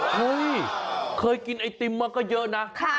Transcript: เฮ้ยเคยกินไอติมมาก็เยอะนะ